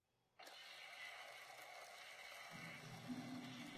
Mataji mawili ya Copa del Rey na mataji matatu ya Ligi ya Mabingwa